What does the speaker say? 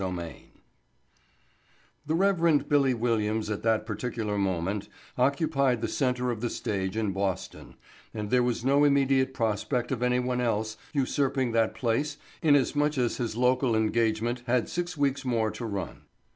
Chapter Twenty Three The Rev. "Billy" Williams at that particular moment occupied the center of the stage in Boston, and there was no immediate prospect of anyone else usurping that place inasmuch as his local engagement had six weeks more to run.